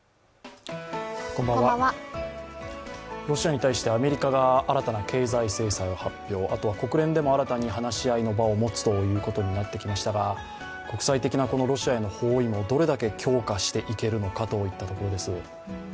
ロシアに対してアメリカが新たな経済制裁を発表、あとは国連でも新たに話し合いの場を持つことになってきましたが、国際的なロシアへの包囲網、どれだけ強化していけるのかといったところです。